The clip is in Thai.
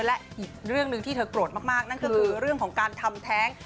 และอีกเรื่องหนึ่งที่เธอโกรธมากนั่นก็คือเรื่องของการทำแท้ง